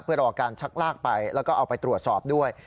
เพื่อรอการชักลากไปแล้วก็เอาไปตรวจสอบด้วย